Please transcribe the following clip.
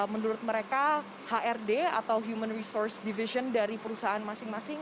menurut mereka hrd atau human resource division dari perusahaan masing masing